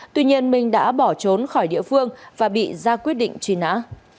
tuy nhiên minh đã bỏ trốn khỏi địa phương và bị ra quyết định truy nã